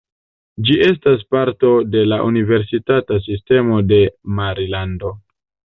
Ĝi estas parto de la Universitata Sistemo de Marilando.